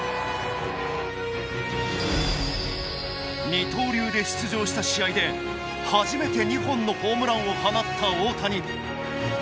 二刀流で出場した試合で初めて２本のホームランを放った大谷。